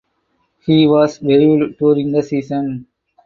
He was waived during the season.